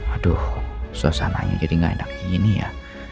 aduh suasananya jadi nggak enak gini ya